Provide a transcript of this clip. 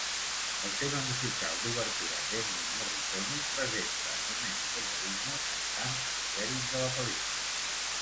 El tema musical d'obertura d'Ennio Morricone presenta Domenico Modugno cantant els crèdits de la pel·lícula.